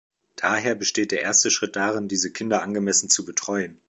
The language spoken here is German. Daher besteht der erste Schritt darin, diese Kinder angemessen zu betreuen.